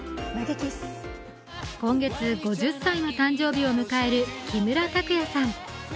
今月、５０歳の誕生日を迎える、木村拓哉さん。